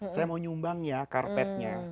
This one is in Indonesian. saya mau nyumbang ya karpetnya